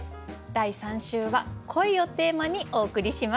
第３週は「恋」をテーマにお送りします。